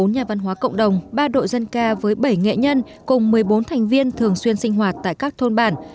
bốn nhà văn hóa cộng đồng ba đội dân ca với bảy nghệ nhân cùng một mươi bốn thành viên thường xuyên sinh hoạt tại các thôn bản